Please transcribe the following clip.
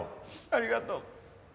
ありがとう。